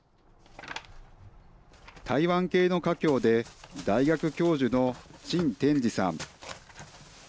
台湾系の華僑で大学教授の陳天璽さん。